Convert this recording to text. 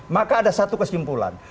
maka ada satu kesimpulan